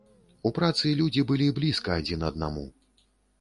У працы людзі былі блізка адзін аднаму.